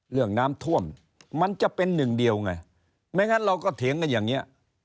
เรื่องน้ำท่วมมันจะเป็นหนึ่งเดียวไงไม่งั้นเราก็เถียงกันอย่างนี้